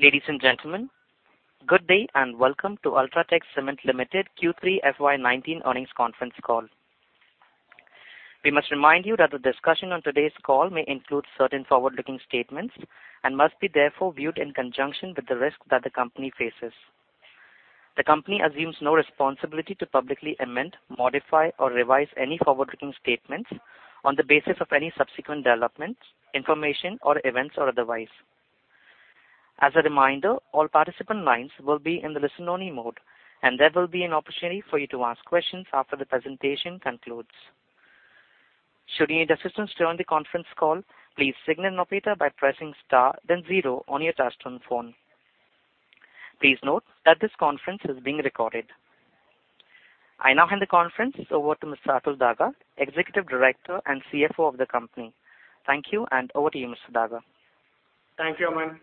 Ladies and gentlemen, good day, and welcome to UltraTech Cement Limited Q3 FY 2019 Earnings Conference Call. We must remind you that the discussion on today's call may include certain forward-looking statements and must be therefore viewed in conjunction with the risk that the company faces. The company assumes no responsibility to publicly amend, modify, or revise any forward-looking statements on the basis of any subsequent developments, information, or events or otherwise. As a reminder, all participant lines will be in the listen-only mode, and there will be an opportunity for you to ask questions after the presentation concludes. Should you need assistance during the conference call, please signal an operator by pressing star then zero on your touch-tone phone. Please note that this conference is being recorded. I now hand the conference over to Mr. Atul Daga, Executive Director and CFO of the company. Thank you. Over to you, Mr. Daga. Thank you, Aman.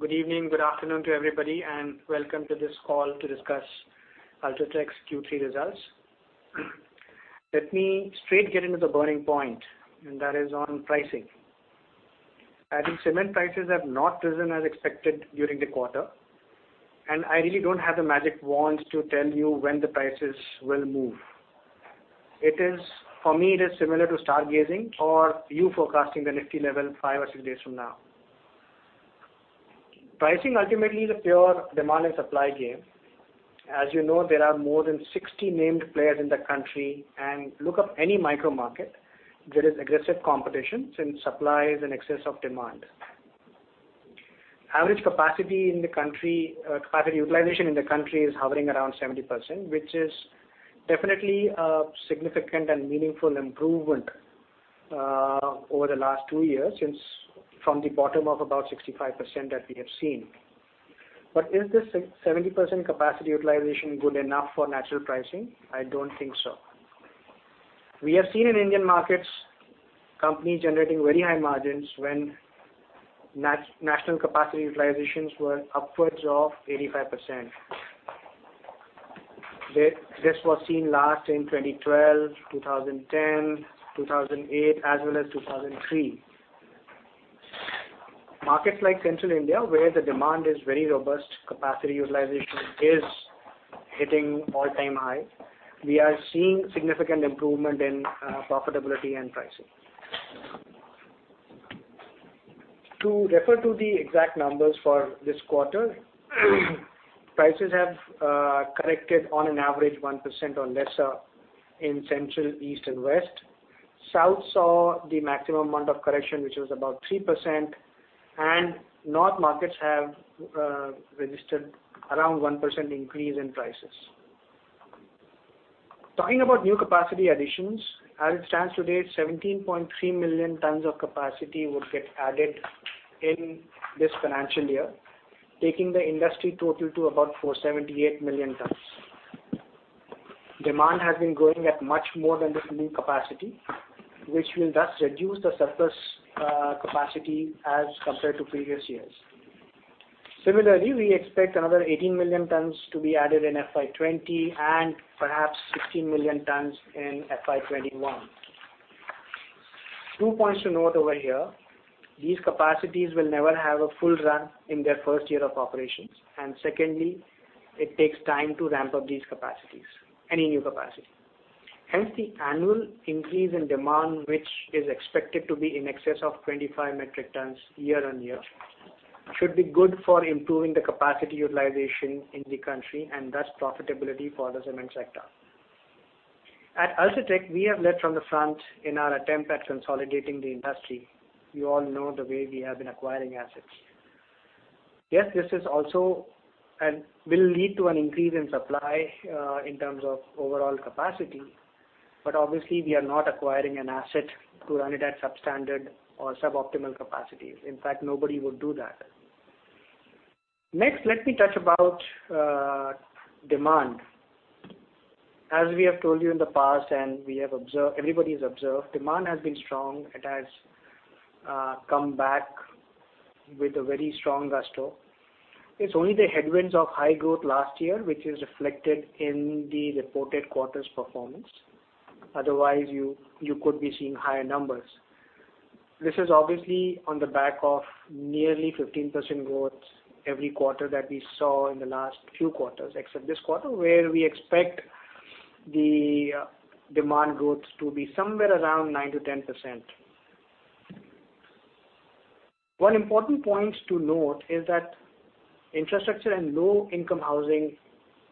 Good evening, good afternoon to everybody, and welcome to this call to discuss UltraTech's Q3 results. Let me straight get into the burning point. That is on pricing. Cement prices have not risen as expected during the quarter. I really don't have the magic wand to tell you when the prices will move. For me, it is similar to stargazing or you forecasting the Nifty level five or six days from now. Pricing ultimately is a pure demand and supply game. You know, there are more than 60 named players in the country. Look up any micro market, there is aggressive competition since supply is in excess of demand. Average capacity utilization in the country is hovering around 70%, which is definitely a significant and meaningful improvement over the last two years since from the bottom of about 65% that we have seen. Is this 70% capacity utilization good enough for natural pricing? I don't think so. We have seen in Indian markets, companies generating very high margins when national capacity utilizations were upwards of 85%. This was seen last in 2012, 2010, 2008, as well as 2003. Markets like central India, where the demand is very robust, capacity utilization is hitting all-time high. We are seeing significant improvement in profitability and pricing. To refer to the exact numbers for this quarter, prices have corrected on an average 1% or lesser in central, east and west. South saw the maximum amount of correction, which was about 3%. North markets have registered around 1% increase in prices. Talking about new capacity additions, as it stands today, 17.3 million tons of capacity would get added in this financial year, taking the industry total to about 478 million tons. Demand has been growing at much more than this new capacity, which will thus reduce the surplus capacity as compared to previous years. Similarly, we expect another 18 million tons to be added in FY 2020 and perhaps 16 million tons in FY 2021. Two points to note over here. These capacities will never have a full run in their first year of operations. Secondly, it takes time to ramp up these capacities, any new capacity. Hence, the annual increase in demand, which is expected to be in excess of 25 metric tons year-on-year, should be good for improving the capacity utilization in the country and thus profitability for the cement sector. At UltraTech, we have led from the front in our attempt at consolidating the industry. You all know the way we have been acquiring assets. Yes, this will lead to an increase in supply, in terms of overall capacity. Obviously, we are not acquiring an asset to run it at substandard or suboptimal capacities. In fact, nobody would do that. Next, let me touch about demand. As we have told you in the past and everybody has observed, demand has been strong. It has come back with a very strong gusto. It's only the headwinds of high growth last year, which is reflected in the reported quarter's performance. Otherwise, you could be seeing higher numbers. This is obviously on the back of nearly 15% growth every quarter that we saw in the last few quarters, except this quarter, where we expect the demand growth to be somewhere around 9%-10%. One important point to note is that infrastructure and low-income housing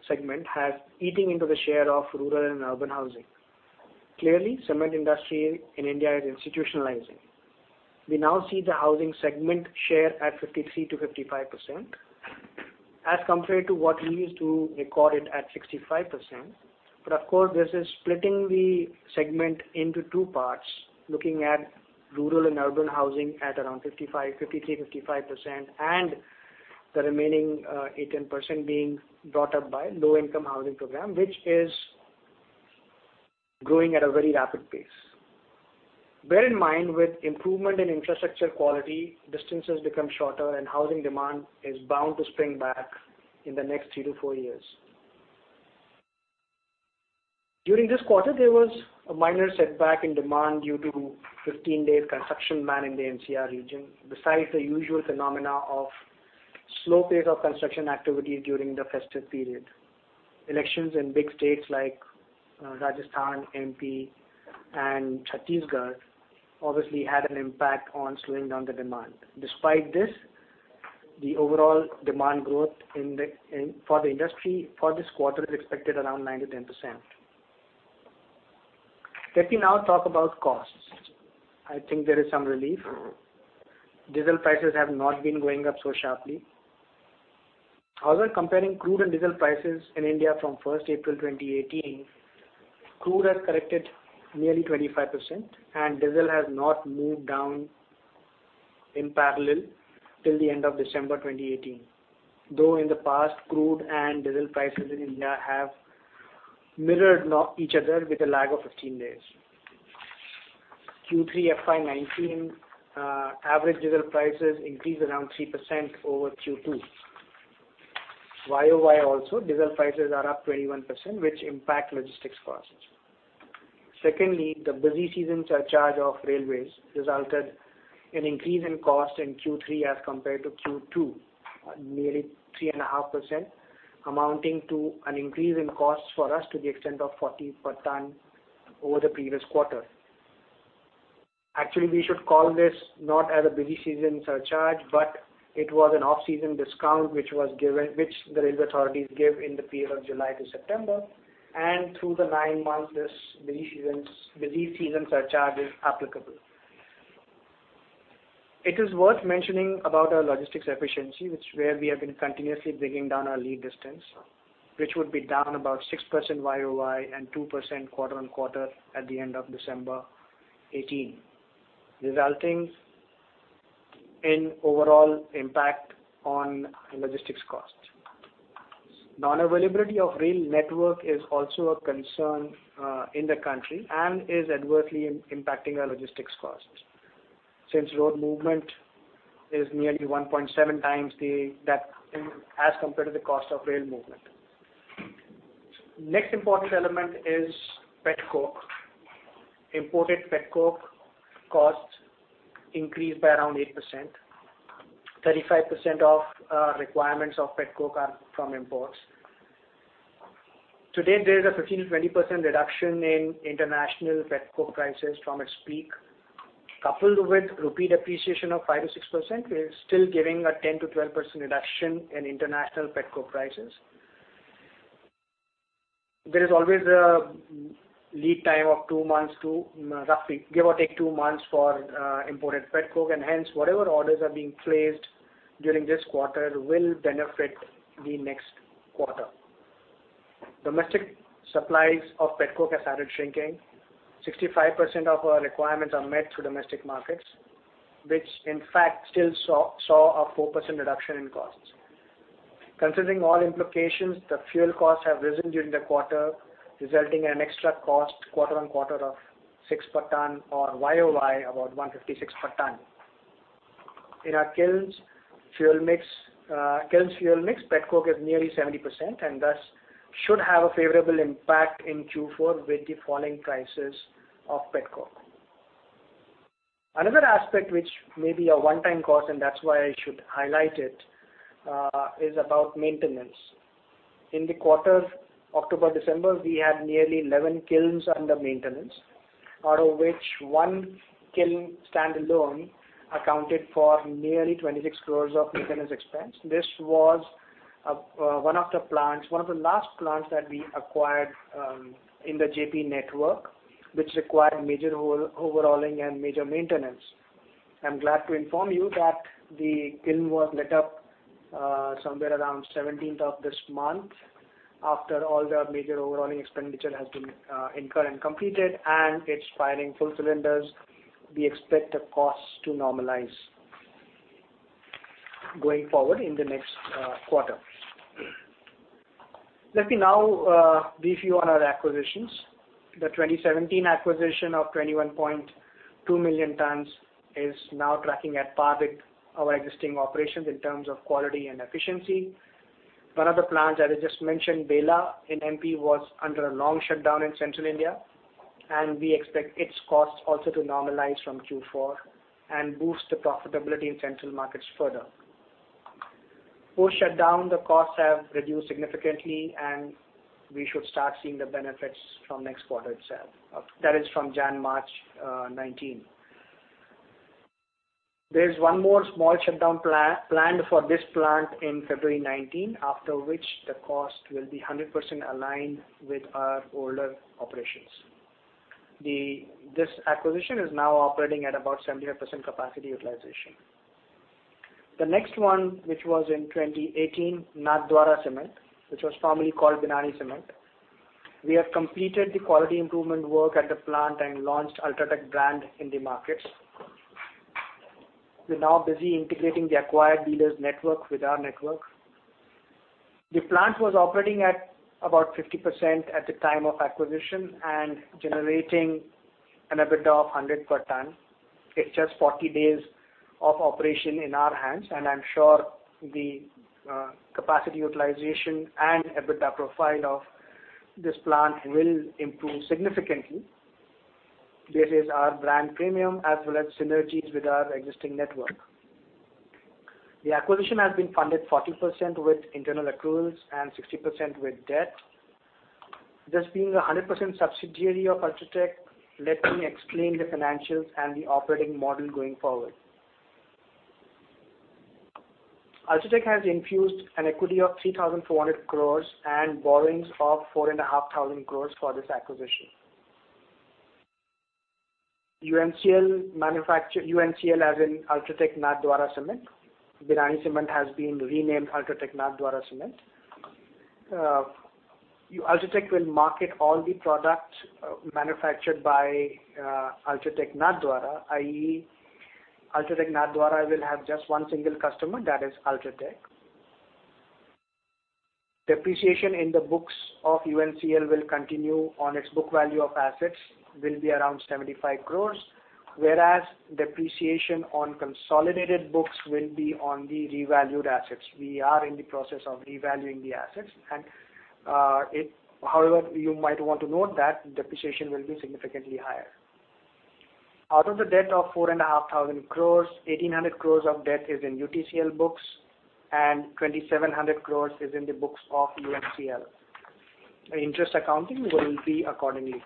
segment have eating into the share of rural and urban housing. Clearly, cement industry in India is institutionalizing. We now see the housing segment share at 53%-55%, as compared to what we used to record it at 65%. Of course, this is splitting the segment into two parts, looking at rural and urban housing at around 53%, 55%, and the remaining 18% being brought up by low-income housing program, which is growing at a very rapid pace. Bear in mind with improvement in infrastructure quality, distances become shorter and housing demand is bound to spring back in the next three to four years. During this quarter, there was a minor setback in demand due to 15 days construction ban in the NCR region. Besides the usual phenomena of slow pace of construction activity during the festive period, elections in big states like Rajasthan, M.P., and Chhattisgarh obviously had an impact on slowing down the demand. Despite this, the overall demand growth for the industry for this quarter is expected around 9%-10%. Let me now talk about costs. I think there is some relief. Diesel prices have not been going up so sharply. However, comparing crude and diesel prices in India from 1st April 2018, crude has corrected nearly 25% and diesel has not moved down in parallel till the end of December 2018. Though in the past, crude and diesel prices in India have mirrored each other with a lag of 15 days. Q3 FY 2019, average diesel prices increased around 3% over Q2. YOY also, diesel prices are up 21%, which impact logistics costs. Secondly, the busy season surcharge of railways resulted in increase in cost in Q3 as compared to Q2, nearly 3.5%, amounting to an increase in costs for us to the extent of 40 per ton over the previous quarter. Actually, we should call this not as a busy season surcharge, but it was an off-season discount which the railway authorities give in the period of July to September. Through the nine months, this busy season surcharge is applicable. It is worth mentioning about our logistics efficiency, where we have been continuously bringing down our lead distance, which would be down about 6% YOY and 2% quarter-on-quarter at the end of December 2018, resulting in overall impact on logistics cost. Non-availability of rail network is also a concern in the country and is adversely impacting our logistics cost. Since road movement is nearly 1.7 times as compared to the cost of rail movement. Next important element is pet coke. Imported pet coke costs increased by around 8%, 35% of requirements of pet coke are from imports. Today, there is a 15%-20% reduction in international pet coke prices from its peak. Coupled with rupee depreciation of 5%-6%, we are still giving a 10%-12% reduction in international pet coke prices. There is always a lead time of two months to roughly give or take two months for imported pet coke, and hence, whatever orders are being placed during this quarter will benefit the next quarter. Domestic supplies of pet coke have started shrinking. 65% of our requirements are met through domestic markets, which in fact, still saw a 4% reduction in costs. Considering all implications, the fuel costs have risen during the quarter, resulting in an extra cost quarter-on-quarter of 6 per ton or YOY about 156 per ton. In our kilns fuel mix, pet coke is nearly 70% and thus should have a favorable impact in Q4 with the falling prices of pet coke. Another aspect which may be a one-time cost, and that is why I should highlight it, is about maintenance. In the quarter October, December, we had nearly 11 kilns under maintenance, out of which one kiln standalone accounted for nearly 26 crores of maintenance expense. This was one of the last plants that we acquired in the Jaypee network, which required major overhauling and major maintenance. I am glad to inform you that the kiln was lit up somewhere around 17th of this month after all the major overhauling expenditure has been incurred and completed, and it is firing full cylinders. We expect the cost to normalize going forward in the next quarter. Let me now brief you on our acquisitions. The 2017 acquisition of 21.2 million tons is now tracking at par with our existing operations in terms of quality and efficiency. One of the plants that I just mentioned, Bara in MP, was under a long shutdown in Central India, and we expect its costs also to normalize from Q4 and boost the profitability in central markets further. Post-shutdown, the costs have reduced significantly, and we should start seeing the benefits from next quarter itself. That is from January-March 2019. There's one more small shutdown planned for this plant in February 2019, after which the cost will be 100% aligned with our older operations. This acquisition is now operating at about 75% capacity utilization. The next one, which was in 2018, Nathdwara Cement, which was formerly called Binani Cement. We have completed the quality improvement work at the plant and launched UltraTech brand in the markets. We're now busy integrating the acquired dealers network with our network. The plant was operating at about 50% at the time of acquisition and generating an EBITDA of 100 per ton. It's just 40 days of operation in our hands, and I'm sure the capacity utilization and EBITDA profile of this plant will improve significantly, based on our brand premium as well as synergies with our existing network. The acquisition has been funded 40% with internal accruals and 60% with debt. This being a 100% subsidiary of UltraTech, let me explain the financials and the operating model going forward. UltraTech has infused an equity of 3,400 crores and borrowings of 4,500 crores for this acquisition. UNCL, as in UltraTech Nathdwara Cement. Binani Cement has been renamed UltraTech Nathdwara Cement. UltraTech will market all the products manufactured by UltraTech Nathdwara, i.e., UltraTech Nathdwara will have just one single customer, that is UltraTech. Depreciation in the books of UNCL will continue on its book value of assets, will be around 75 crores, whereas depreciation on consolidated books will be on the revalued assets. We are in the process of revaluing the assets. However, you might want to note that depreciation will be significantly higher. Out of the debt of 4,500 crores, 1,800 crores of debt is in UTCL books and 2,700 crores is in the books of UNCL. The interest accounting will be accordingly.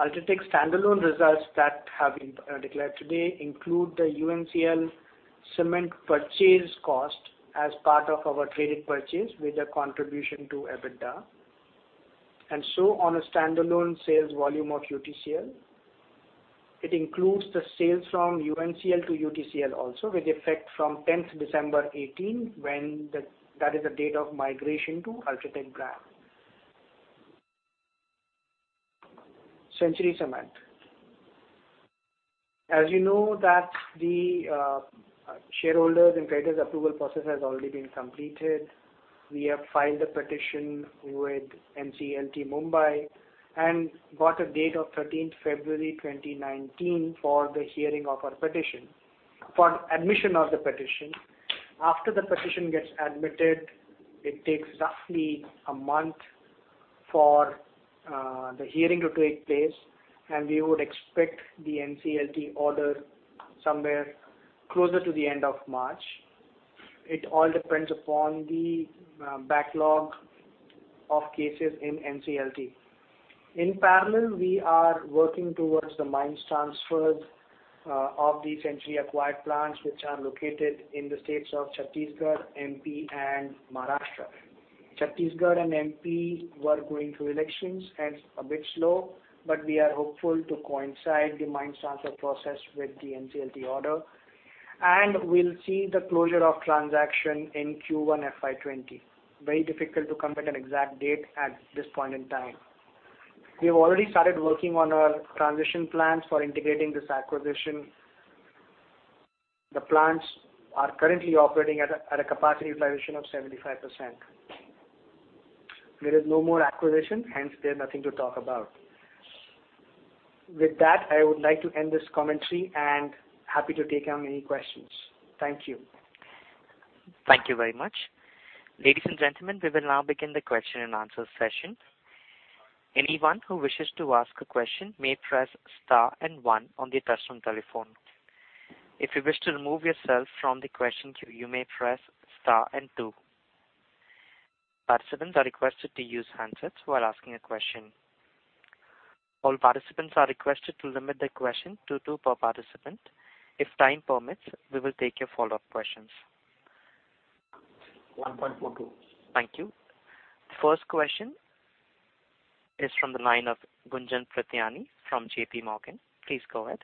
UltraTech standalone results that have been declared today include the UNCL cement purchase cost as part of our traded purchase, with a contribution to EBITDA. On a standalone sales volume of UTCL, it includes the sales from UNCL to UTCL also, with effect from 10th December 2018, that is the date of migration to UltraTech brand. Century Cement. As you know that the shareholders' and creditors' approval process has already been completed. We have filed a petition with NCLT Mumbai and got a date of 13th February 2019 for the hearing of our petition, for admission of the petition. After the petition gets admitted, it takes roughly a month for the hearing to take place, and we would expect the NCLT order somewhere closer to the end of March. It all depends upon the backlog of cases in NCLT. In parallel, we are working towards the mines transfers of the Century-acquired plants, which are located in the states of Chhattisgarh, MP, and Maharashtra. Chhattisgarh and MP were going through elections, hence a bit slow, but we are hopeful to coincide the mine transfer process with the NCLT order, and we'll see the closure of transaction in Q1 FY 2020. Very difficult to commit an exact date at this point in time. We have already started working on our transition plans for integrating this acquisition. The plants are currently operating at a capacity utilization of 75%. There is no more acquisition, hence there is nothing to talk about. With that, I would like to end this commentary, happy to take on any questions. Thank you. Thank you very much. Ladies and gentlemen, we will now begin the question and answer session. Anyone who wishes to ask a question may press star and one on their touchtone telephone. If you wish to remove yourself from the question queue, you may press star and two. Participants are requested to use handsets while asking a question. All participants are requested to limit their question to two per participant. If time permits, we will take your follow-up questions. 1.42. Thank you. First question is from the line of Gunjan Prithyani from J.P. Morgan. Please go ahead.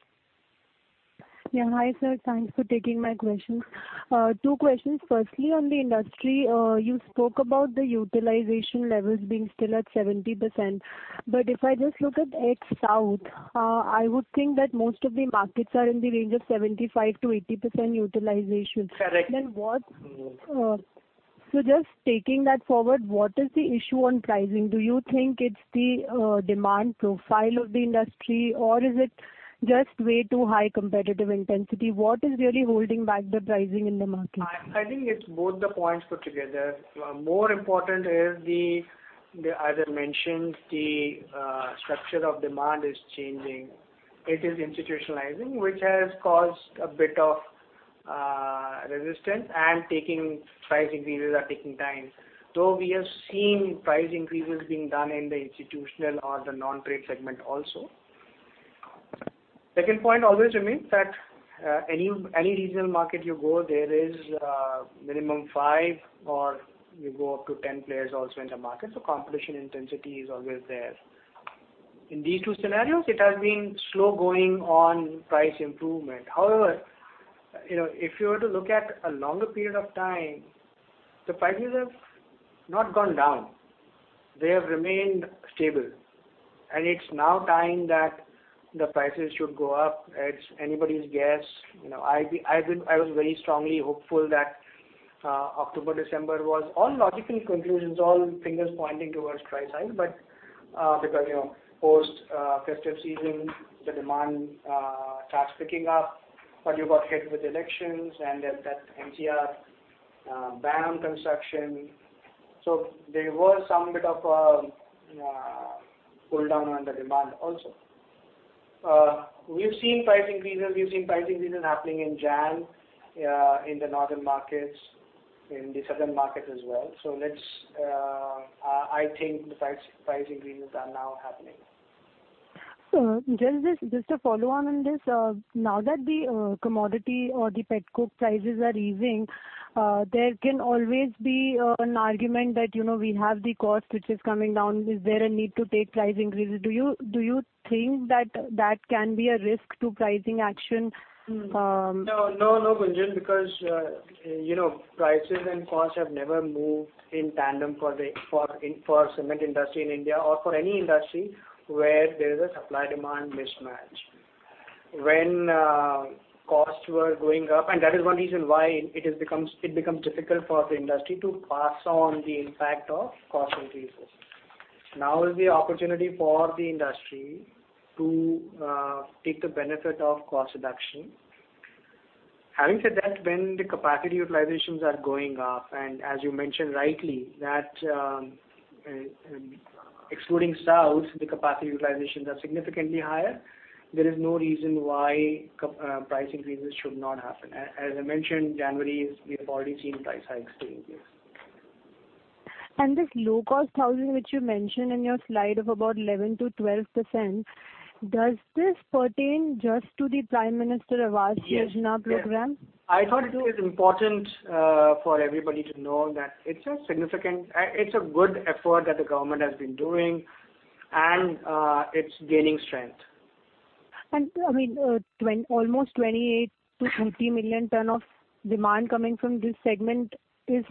Yeah. Hi, sir. Thanks for taking my questions. Two questions. Firstly, on the industry, you spoke about the utilization levels being still at 70%, if I just look at it south, I would think that most of the markets are in the range of 75%-80% utilization. Correct. Just taking that forward, what is the issue on pricing? Do you think it's the demand profile of the industry, or is it just way too high competitive intensity? What is really holding back the pricing in the market? I think it's both the points put together. More important is, as I mentioned, the structure of demand is changing. It is institutionalizing, which has caused a bit of resistance, and price increases are taking time. Though we have seen price increases being done in the institutional or the non-trade segment also. Second point always remains that any regional market you go, there is minimum five, or you go up to 10 players also in the market, so competition intensity is always there. In these two scenarios, it has been slow going on price improvement. However, if you were to look at a longer period of time, the prices have not gone down. They have remained stable, and it's now time that the prices should go up. It's anybody's guess. I was very strongly hopeful that October, December was all logical conclusions, all fingers pointing towards price hike. Because post festive season, the demand starts picking up, but you got hit with elections and then that NCR ban on construction. There was some bit of a pull down on the demand also. We've seen price increases happening in January, in the northern markets, in the southern markets as well. I think the price increases are now happening. Just a follow on this. Now that the commodity or the pet coke prices are easing, there can always be an argument that we have the cost which is coming down. Is there a need to take price increases? Do you think that can be a risk to pricing action? No, Gunjan, because prices and costs have never moved in tandem for cement industry in India or for any industry where there is a supply-demand mismatch. When costs were going up, that is one reason why it becomes difficult for the industry to pass on the impact of cost increases. Now is the opportunity for the industry to take the benefit of cost reduction. Having said that, when the capacity utilizations are going up, as you mentioned rightly, that excluding South, the capacity utilizations are significantly higher. There is no reason why price increases should not happen. As I mentioned, January, we have already seen price hikes taking place. This low-cost housing, which you mentioned in your slide of about 11%-12%, does this pertain just to the Pradhan Mantri Awas Yojana program? Yes. I thought it is important for everybody to know that it's a good effort that the government has been doing, and it's gaining strength. Almost 28 million-30 million tons of demand coming from this segment is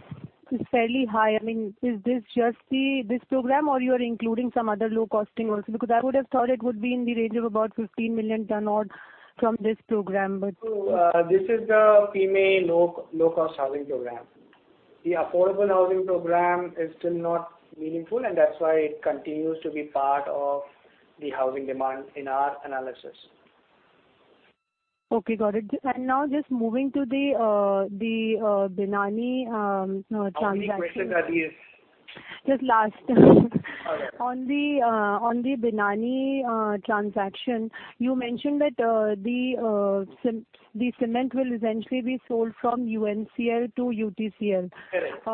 fairly high. Is this just this program or you are including some other low costing also? I would have thought it would be in the range of about 15 million tons or from this program. This is the PMAY low-cost housing program. The affordable housing program is still not meaningful. That's why it continues to be part of the housing demand in our analysis. Okay, got it. Now just moving to the Binani transaction. How many questions are these? Just last. Okay. On the Binani transaction, you mentioned that the cement will essentially be sold from UNCL to UTCL. Correct.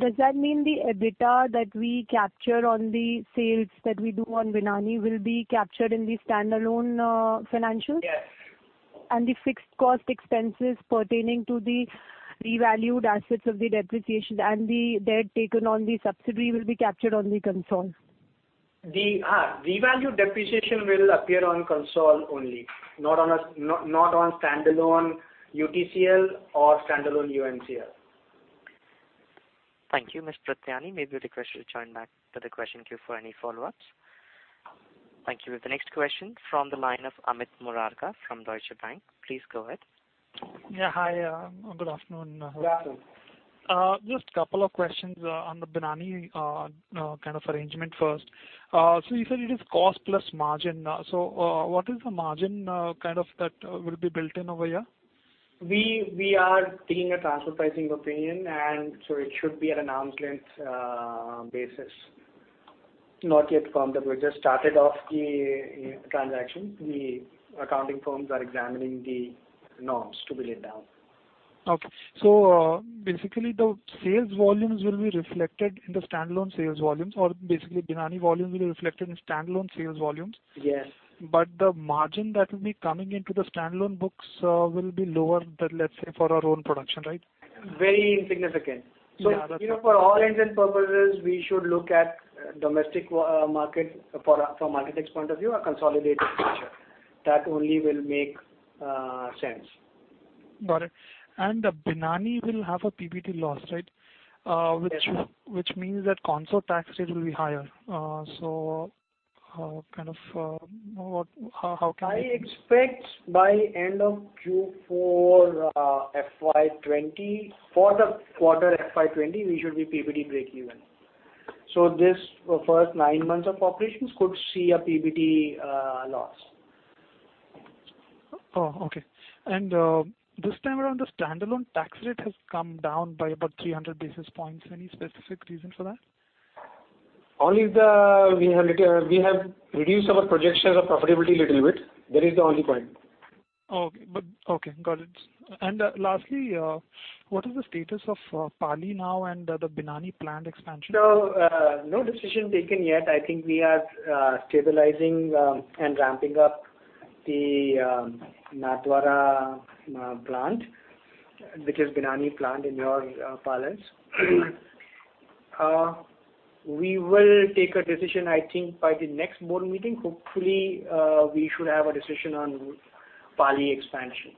Does that mean the EBITDA that we capture on the sales that we do on Binani will be captured in the standalone financials? Yes. The fixed cost expenses pertaining to the revalued assets of the depreciation and the debt taken on the subsidiary will be captured on the consol? The revalued depreciation will appear on consol only. Not on standalone UTCL or standalone UNCL. Thank you, Mr. Prithyani. Maybe the request to join back to the question queue for any follow-ups. Thank you. The next question from the line of Amit Murarka from Deutsche Bank. Please go ahead. Yeah, hi. Good afternoon. Good afternoon. Just a couple of questions on the Binani kind of arrangement first. You said it is cost plus margin. What is the margin kind of that will be built in over here? We are taking a transfer pricing opinion, it should be at an arm's length basis. Not yet confirmed. We just started off the transaction. The accounting firms are examining the norms to be laid down. Okay. The sales volumes will be reflected in the standalone sales volumes, or basically Binani volume will be reflected in standalone sales volumes. Yes. The margin that will be coming into the standalone books will be lower than, let's say, for our own production, right? Very insignificant. For all intents and purposes, we should look at domestic market from a market mix point of view, a consolidated picture. That only will make sense. Got it. Binani will have a PBT loss, right? Yes. Which means that consol tax rate will be higher. I expect by end of Q4 FY 2020, for the quarter FY 2020, we should be PBT breakeven. This first nine months of operations could see a PBT loss. Oh, okay. This time around, the standalone tax rate has come down by about 300 basis points. Any specific reason for that? Only that we have reduced our projection of profitability a little bit. That is the only point. Okay. Got it. Lastly, what is the status of Pali now and the Binani plant expansion? No decision taken yet. I think we are stabilizing and ramping up the Nathdwara plant, which is Binani plant in your parlance. We will take a decision, I think, by the next board meeting. Hopefully, we should have a decision on Pali expansion.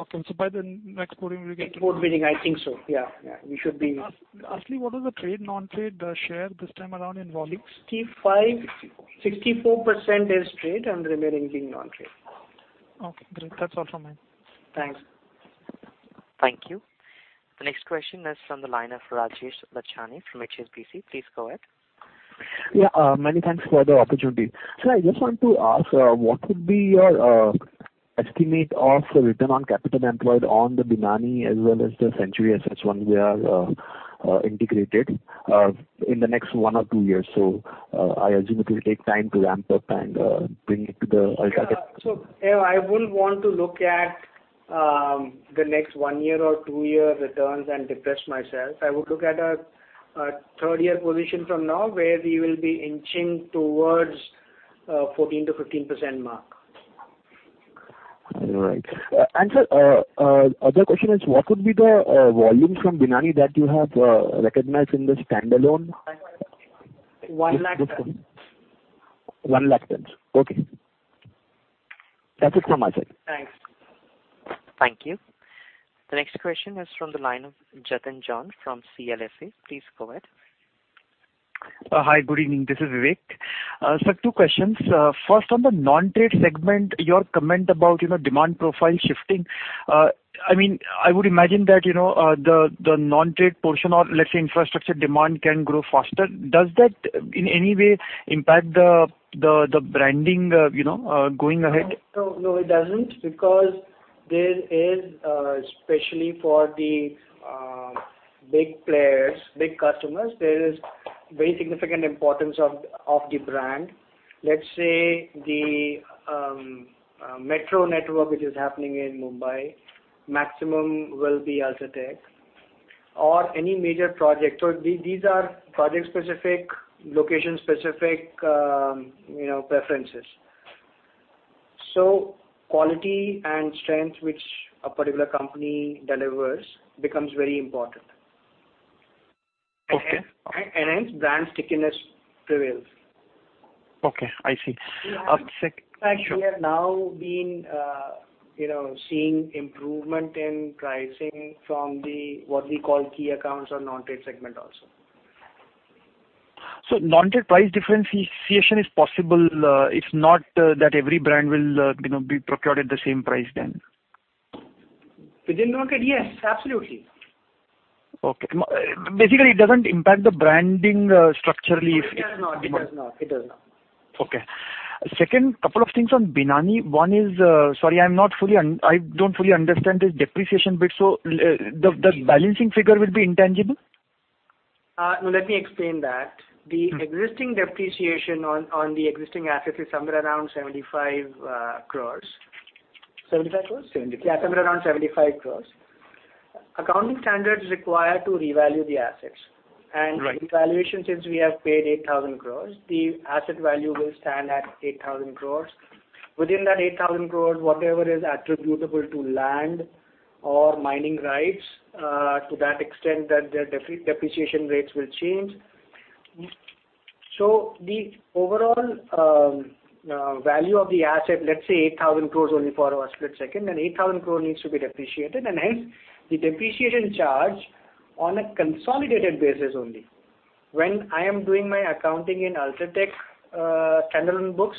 Okay. By the next quarter we get. Next board meeting, I think so. Yeah. We should be. Lastly, what is the trade non-trade share this time around in volume? 65, 64% is trade and the remaining being non-trade. Okay, great. That's all from me. Thanks. Thank you. The next question is from the line of Rajesh Lachhani from HSBC. Please go ahead. Yeah. Many thanks for the opportunity. Sir, I just want to ask, what would be your estimate of the return on capital employed on the Binani as well as the Century assets once they are integrated in the next one or two years? I assume it will take time to ramp up and bring it to the UltraTech. I wouldn't want to look at the next one year or two year returns and depress myself. I would look at a third year position from now where we will be inching towards 14%-15% mark. All right. Sir, other question is, what would be the volume from Binani that you have recognized in the standalone? 100,000 tons. 100,000 tons. Okay. That's it from my side. Thanks. Thank you. The next question is from the line of Jatin Jain from CLSA. Please go ahead. Hi, good evening, this is Vivek. Sir, two questions. First, on the non-trade segment, your comment about demand profile shifting. I would imagine that the non-trade portion or, let's say, infrastructure demand can grow faster. Does that in any way impact the branding going ahead? No, it doesn't because there is, especially for the big players, big customers, there is very significant importance of the brand. Let's say the metro network which is happening in Mumbai, maximum will be UltraTech or any major project. These are project specific, location specific preferences. Quality and strength which a particular company delivers becomes very important. Okay. Hence brand stickiness prevails. Okay, I see. In fact we have now been seeing improvement in pricing from the what we call key accounts or non-trade segment also. Non-trade price differentiation is possible. It's not that every brand will be procured at the same price then. Within the market, yes, absolutely. Basically, it doesn't impact the branding structurally. It does not. Okay. Second couple of things on Binani. One is, sorry, I don't fully understand this depreciation bit. The balancing figure will be intangible? No, let me explain that. The existing depreciation on the existing assets is somewhere around 75 crores. 75 crores? Yeah, somewhere around 75 crores. Accounting standards require to revalue the assets. Right. Revaluation, since we have paid 8,000 crore, the asset value will stand at 8,000 crore. Within that 8,000 crore, whatever is attributable to land or mining rights, to that extent that their depreciation rates will change. The overall value of the asset, let's say 8,000 crore only for a split second, then 8,000 crore needs to be depreciated, and hence the depreciation charge on a consolidated basis only. When I am doing my accounting in UltraTech standalone books,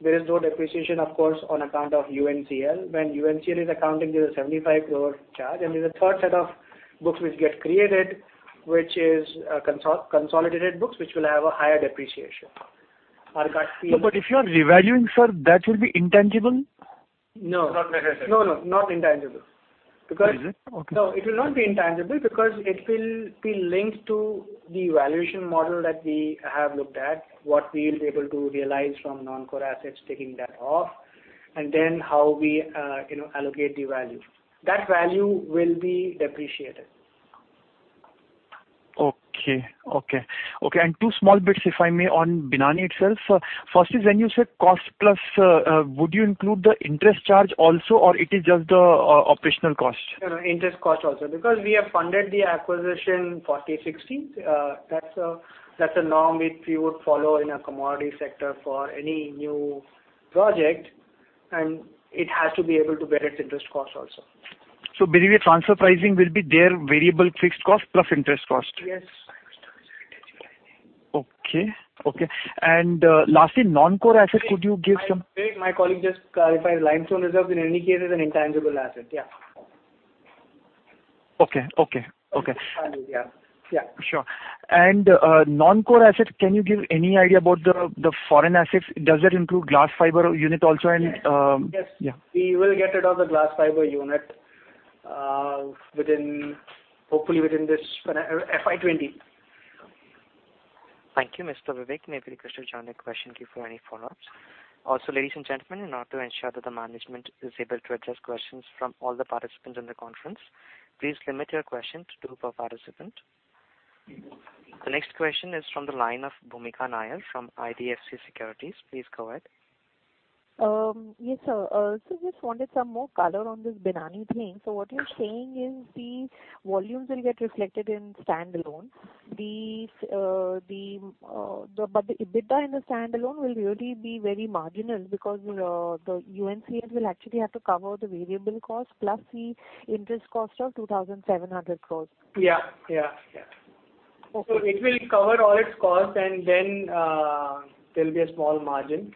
there is no depreciation, of course, on account of UNCL. When UNCL is accounting, there's a 75 crore charge, and there's a third set of books which get created, which is consolidated books, which will have a higher depreciation. If you are revaluing, sir, that will be intangible? No. Not necessarily. Not intangible. Is it? Okay. It will not be intangible because it will be linked to the valuation model that we have looked at, what we will be able to realize from non-core assets taking that off, and then how we allocate the value. That value will be depreciated. Okay. Two small bits, if I may, on Binani itself. First is when you said cost plus, would you include the interest charge also, or it is just the operational cost? Interest cost also, because we have funded the acquisition 40:60. That's a norm which we would follow in a commodity sector for any new project, and it has to be able to bear its interest cost also. Basically transfer pricing will be their variable fixed cost plus interest cost. Yes. Okay. Lastly, non-core assets, could you give? Vivek, my colleague just clarified. Limestone reserve, in any case, is an intangible asset. Yeah. Okay. Yeah. Sure. Non-core assets, can you give any idea about the foreign assets? Does that include glass fiber unit also? Yes. Yeah. We will get rid of the glass fiber unit hopefully within this FY 2020. Thank you, Mr. Vivek. May I request you to join the queue for any follow-ups. Ladies and gentlemen, in order to ensure that the management is able to address questions from all the participants in the conference, please limit your questions to two per participant. The next question is from the line of Bhoomika Nair from IDFC Securities. Please go ahead. Yes, sir. Just wanted some more color on this Binani thing. What you're saying is the volumes will get reflected in standalone. The EBITDA in the standalone will really be very marginal because the UNCL will actually have to cover the variable cost plus the interest cost of 2,700 crore. Yeah. It will cover all its costs and then there'll be a small margin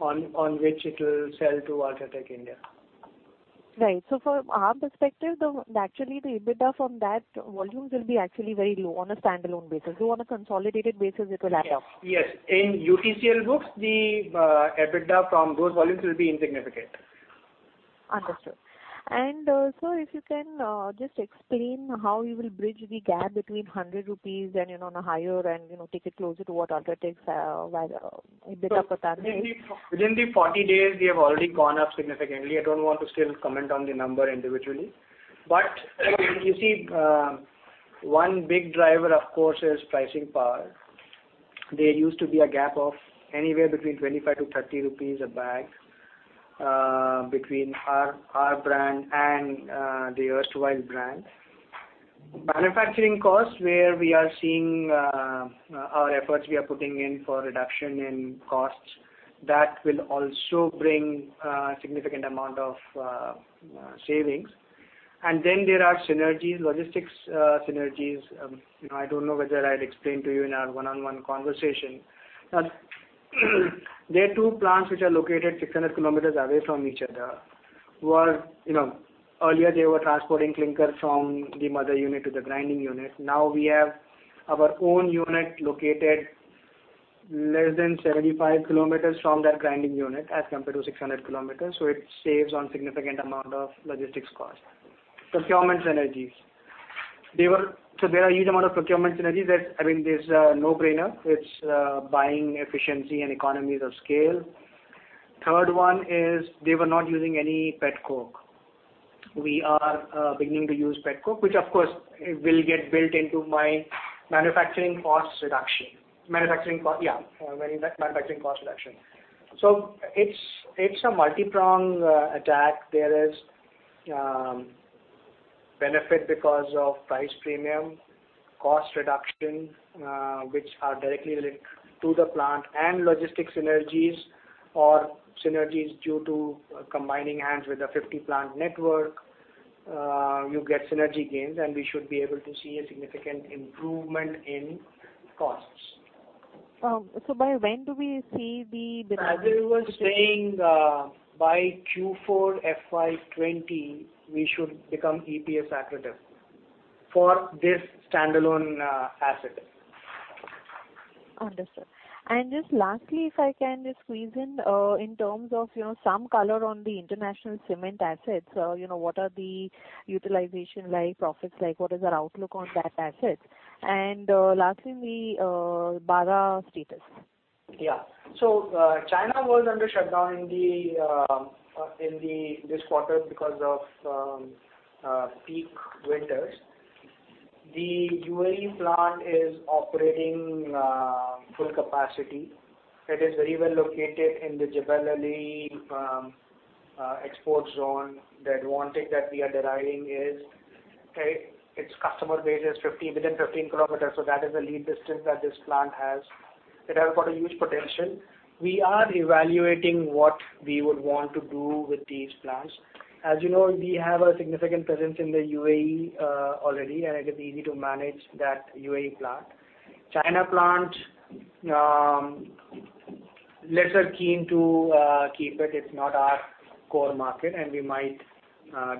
on which it'll sell to UltraTech India. Right. From our perspective, actually, the EBITDA from that volumes will be actually very low on a standalone basis, though on a consolidated basis, it will add up. Yes. In UTCL books, the EBITDA from those volumes will be insignificant. Understood. Sir, if you can just explain how you will bridge the gap between 100 rupees and on a higher and take it closer to what UltraTech's EBITDA per ton is. Within the 40 days, we have already gone up significantly. I don't want to still comment on the number individually. You see, one big driver, of course, is pricing power. There used to be a gap of anywhere between 25 to 30 rupees a bag, between our brand and the erstwhile brand. Manufacturing costs, where we are seeing our efforts we are putting in for reduction in costs, that will also bring significant amount of savings. There are synergies, logistics synergies. I don't know whether I'd explained to you in our one-on-one conversation. There are two plants which are located 600 km away from each other. Earlier, they were transporting clinker from the mother unit to the grinding unit. Now we have our own unit located less than 75 km from that grinding unit, as compared to 600 km. It saves on significant amount of logistics cost. Procurement synergies. There are huge amount of procurement synergies that, I mean, there's a no-brainer. It's buying efficiency and economies of scale. Third one is they were not using any pet coke. We are beginning to use pet coke, which, of course, will get built into my manufacturing cost reduction. It's a multi-pronged attack. There is benefit because of price premium, cost reduction, which are directly linked to the plant and logistic synergies or synergies due to combining hands with a 50-plant network. You get synergy gains, and we should be able to see a significant improvement in costs. By when do we see the benefit? As I was saying, by Q4 FY 2020, we should become EPS accretive for this standalone asset. Understood. Just lastly, if I can just squeeze in terms of some color on the international cement assets. What are the utilization like, profits like? What is our outlook on that asset? Lastly, the Bara status. Yeah. China was under shutdown in this quarter because of peak winters. The UAE plant is operating full capacity. It is very well located in the Jebel Ali export zone. The advantage that we are deriving is, its customer base is within 15 kilometers, so that is the lead distance that this plant has. It has got a huge potential. We are evaluating what we would want to do with these plants. As you know, we have a significant presence in the UAE already, and it is easy to manage that UAE plant. China plant, lesser keen to keep it. It's not our core market, and we might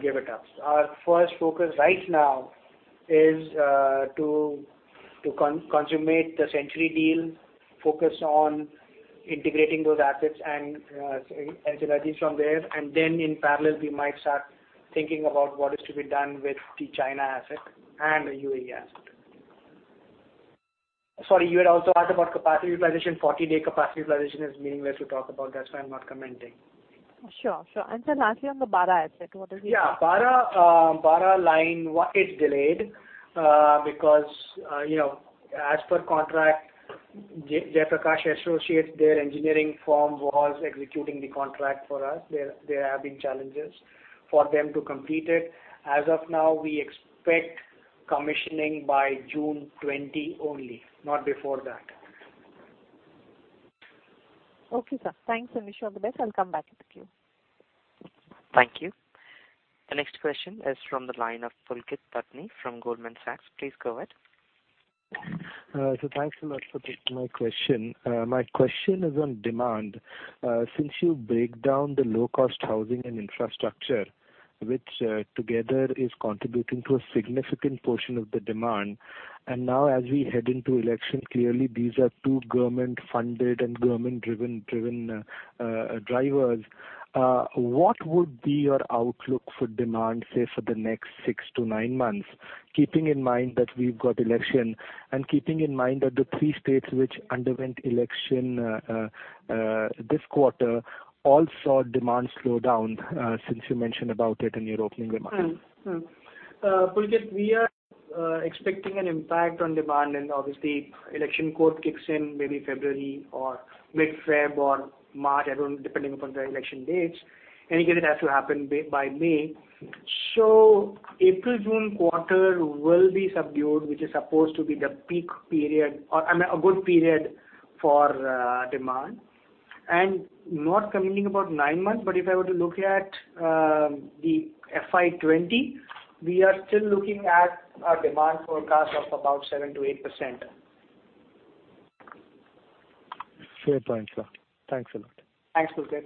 give it up. Our first focus right now is to consummate the Century deal, focus on integrating those assets and synergies from there. In parallel, we might start thinking about what is to be done with the China asset and the UAE asset. Sorry, you had also asked about capacity utilization. 40-day capacity utilization is meaningless to talk about. That's why I'm not commenting. Sure. Sir, lastly, on the Bara asset, what is the- Yeah. Bara line, it's delayed because, as per contract, Jaiprakash Associates, their engineering firm was executing the contract for us. There have been challenges for them to complete it. As of now, we expect commissioning by June 2020 only, not before that. Okay, sir. Thanks. Wish you all the best. I'll come back with a few. Thank you. The next question is from the line of Pulkit Patni from Goldman Sachs. Please go ahead. Thanks a lot for taking my question. My question is on demand. Since you break down the low-cost housing and infrastructure, which together is contributing to a significant portion of the demand. Now as we head into election, clearly these are two government-funded and government-driven drivers. What would be your outlook for demand, say, for the next six to nine months, keeping in mind that we've got election and keeping in mind that the three states which underwent election this quarter all saw demand slow down, since you mentioned about it in your opening remarks. Pulkit, we are expecting an impact on demand. Obviously election court kicks in maybe February or mid-Feb or March, depending upon the election dates. Any case, it has to happen by May. April-June quarter will be subdued, which is supposed to be the peak period or, I mean, a good period for demand. Not commenting about nine months, but if I were to look at the FY 2020, we are still looking at a demand forecast of about 7%-8%. Fair point, sir. Thanks a lot. Thanks, Suket.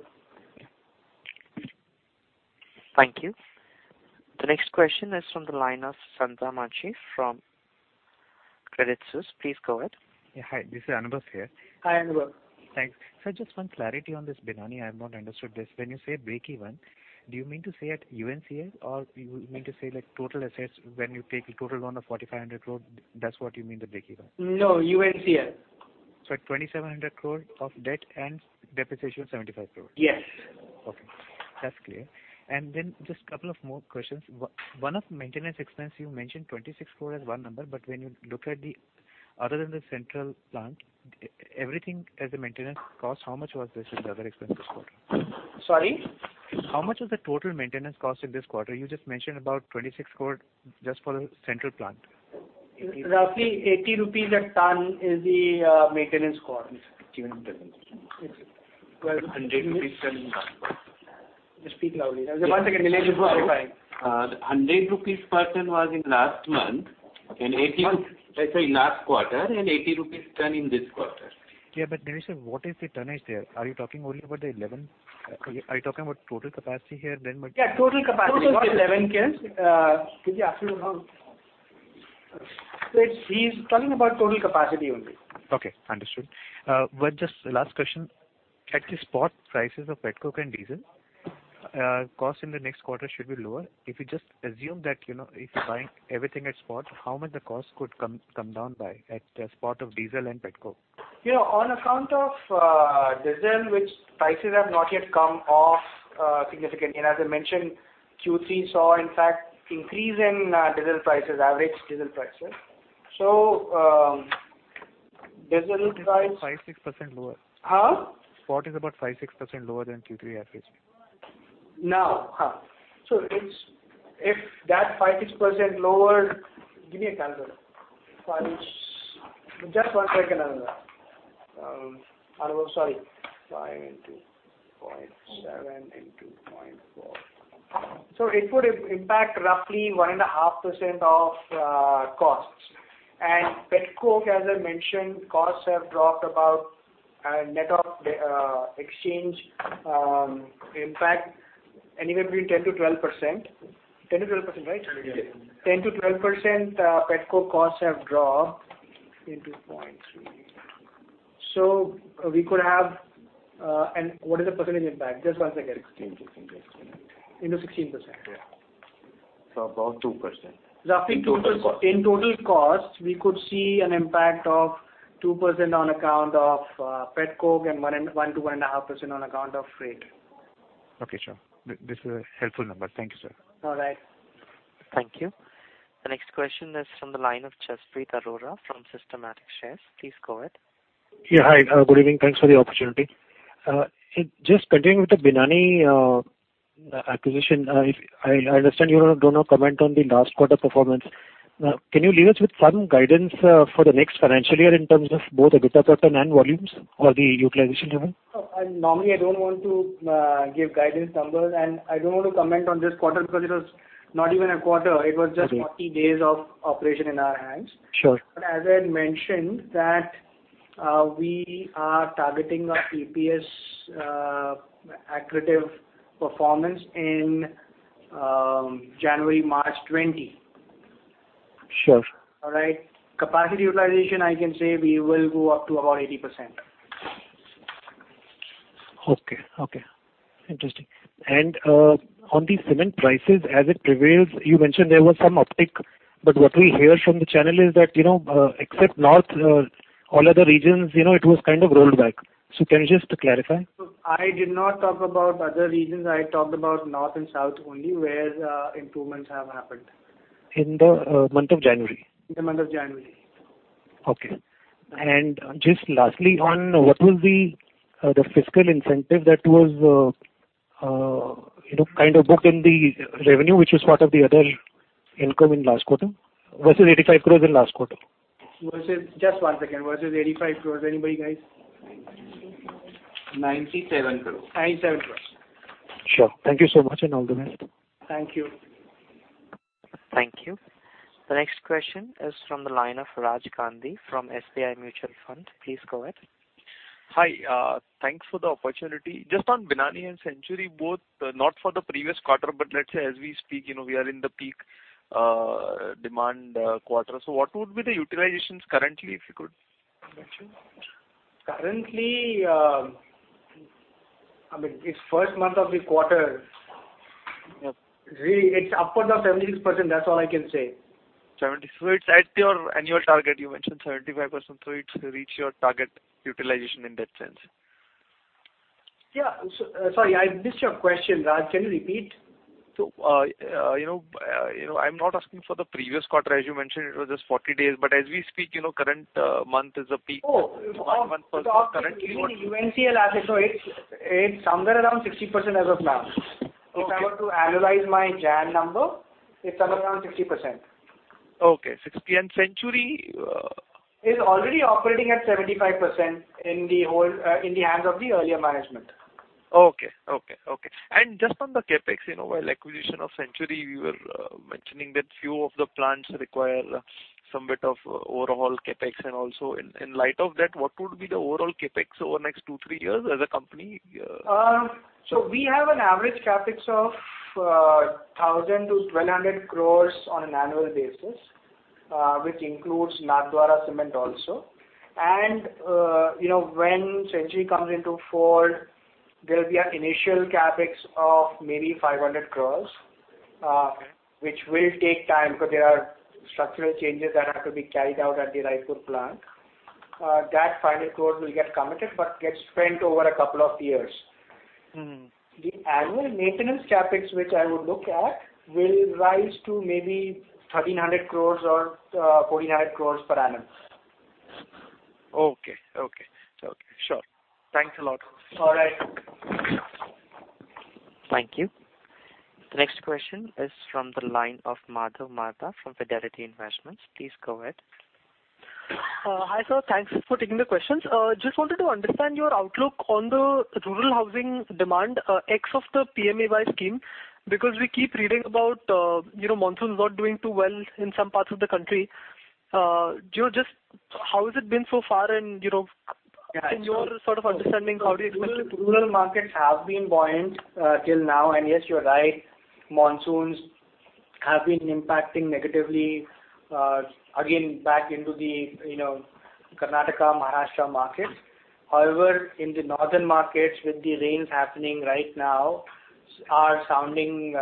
Thank you. The next question is from the line of Santham Achi from Credit Suisse. Please go ahead. Yeah. Hi, this is Anubhav here. Hi, Anubhav. Thanks. Sir, just one clarity on this Binani, I have not understood this. When you say breakeven, do you mean to say at UNCL, or you mean to say like total assets when you take the total loan of 4,500 crore, that's what you mean the breakeven? No, UNCL. At 2,700 crore of debt and depreciation, 75 crore. Yes. Okay. That's clear. Just couple of more questions. One of maintenance expense, you mentioned 26 crore as one number, but when you look at the other than the central plant, everything as a maintenance cost, how much was this in the other expense this quarter? Sorry? How much was the total maintenance cost in this quarter? You just mentioned about 26 crore just for the central plant. Roughly 80 rupees a ton is the maintenance cost. Even in terms. Yes, sir. INR 100 ton. Just speak loudly. Just one second, let me just verify. The 100 rupees per ton was in last month. Sorry, last quarter, and 80 rupees ton in this quarter. Yeah, Dinesh sir, what is the tonnage there? Are you talking only about the total capacity here? Yeah, total capacity. Total 11,000. He's talking about total capacity only. Okay. Understood. One just last question. At the spot prices of pet coke and diesel, cost in the next quarter should be lower. If you just assume that if you're buying everything at spot, how much the cost could come down by at the spot of diesel and pet coke? On account of diesel, which prices have not yet come off significant. As I mentioned, Q3 saw, in fact, increase in diesel prices, average diesel prices. Spot is about 5-6% lower. Huh? Spot is about 5-6% lower than Q3 average. Now. If that 5-6% lower, give me a calculator. Just one second, Anubhav. Anubhav, sorry. Five into 0.7 into 0.4. It would impact roughly 1.5% of costs. Pet coke, as I mentioned, costs have dropped about net of exchange impact anywhere between 10%-12%. 10%-12%, right? Yes. 10%-12% pet coke costs have dropped into 0.3. What is the percent impact? Just one second. Sixteen. Into 16%. Yeah. About 2%. Roughly in total cost, we could see an impact of 2% on account of pet coke and 1%-1.5% on account of freight. Okay, sure. This is a helpful number. Thank you, sir. All right. Thank you. The next question is from the line of Jaspreet Arora from Systematix Shares. Please go ahead. Hi, good evening. Thanks for the opportunity. Just continuing with the Binani acquisition. I understand you do not comment on the last quarter performance. Can you leave us with some guidance for the next financial year in terms of both EBITDA per ton and volumes or the utilization even? Normally, I don't want to give guidance numbers. I don't want to comment on this quarter because it was not even a quarter. Okay. It was just 40 days of operation in our hands. Sure. As I had mentioned that we are targeting an EPS accretive performance in January-March 2020. Sure. All right. Capacity utilization, I can say we will go up to about 80%. Okay. Interesting. On the cement prices, as it prevails, you mentioned there was some uptick, but what we hear from the channel is that except North, all other regions, it was kind of rolled back. Can you just clarify? I did not talk about other regions. I talked about North and South only, where improvements have happened. In the month of January? In the month of January. Okay. Just lastly on what was the fiscal incentive that was, kind of booked in the revenue, which was part of the other income in last quarter versus 85 crore in last quarter? Just one second. Versus 85 crore, anybody, guys? 97 crore. 97 crores. Sure. Thank you so much. All the best. Thank you. Thank you. The next question is from the line of Raj Gandhi from SBI Mutual Fund. Please go ahead. Hi. Thanks for the opportunity. Just on Binani and Century both, not for the previous quarter, but let's say as we speak, we are in the peak demand quarter. What would be the utilizations currently, if you could mention? Currently, it's first month of the quarter. Yep. It's upwards of 76%, that's all I can say. 76. It's at your annual target, you mentioned 35%, it's reached your target utilization in that sense. Yeah. Sorry, I missed your question, Raj. Can you repeat? I'm not asking for the previous quarter, as you mentioned, it was just 40 days, but as we speak, current month is a peak. Oh. One month for current quarter. Using UNCL asset, it's somewhere around 60% as of now. Okay. If I were to annualize my Jan number, it's somewhere around 60%. Okay. Century Is already operating at 75% in the hands of the earlier management. Okay. Just on the CapEx, while acquisition of Century, you were mentioning that few of the plants require some bit of overall CapEx. Also in light of that, what would be the overall CapEx over the next two, three years as a company? We have an average CapEx of 1,000 crore-1,200 crore on an annual basis, which includes Nathdwara Cement also. When Century comes into fold, there will be an initial CapEx of maybe 500 crore, which will take time because there are structural changes that have to be carried out at the Raipur plant. That INR 500 crore will get committed but get spent over a couple of years. The annual maintenance CapEx, which I would look at, will rise to maybe 1,300 crore or 1,400 crore per annum. Okay. Sure. Thanks a lot. All right. Thank you. The next question is from the line of Madhav Marda from Fidelity Investments. Please go ahead. Hi, sir. Thanks for taking the questions. Wanted to understand your outlook on the rural housing demand, x of the PMAY scheme, because we keep reading about monsoons not doing too well in some parts of the country. How has it been so far and, in your sort of understanding, how do you expect it- Rural markets have been buoyant till now. Yes, you're right, monsoons have been impacting negatively, again, back into the Karnataka, Maharashtra markets. However, in the northern markets, with the rains happening right now, are sounding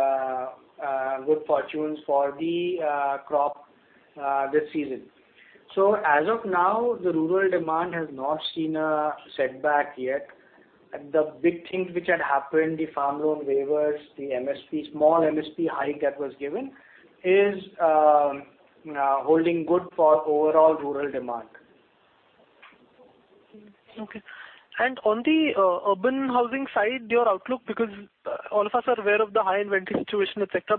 good fortunes for the crop this season. As of now, the rural demand has not seen a setback yet. The big things which had happened, the farm loan waivers, the small MSP hike that was given, is holding good for overall rural demand. Okay. On the urban housing side, your outlook, because all of us are aware of the high inventory situation, etc,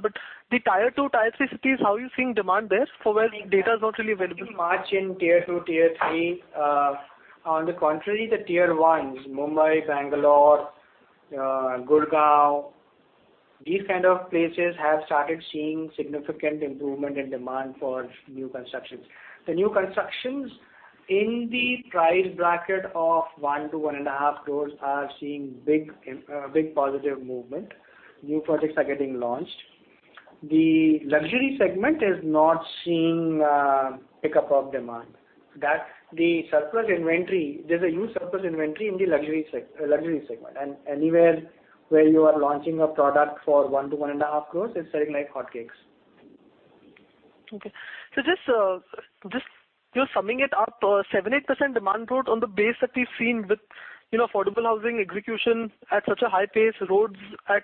the tier 2, tier 3 cities, how are you seeing demand there for where data is not really available? March in tier 2, tier 3. On the contrary, the tier 1s, Mumbai, Bangalore, Gurgaon, these kind of places have started seeing significant improvement in demand for new constructions. The new constructions in the price bracket of 1 to one and a half crores are seeing big positive movement. New projects are getting launched. The luxury segment is not seeing a pickup of demand. There's a huge surplus inventory in the luxury segment. Anywhere where you are launching a product for 1 to one and a half crores, it's selling like hotcakes. Okay. Just summing it up, 7%-8% demand growth on the base that we've seen with affordable housing execution at such a high pace, roads at